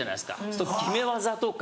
すると決め技とか。